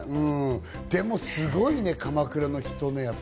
でもすごいね、鎌倉の人出。